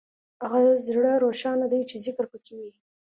هغه زړه روښانه دی چې ذکر پکې وي.